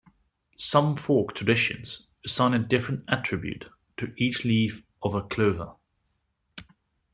Some folk traditions assign a different attribute to each leaf of a clover.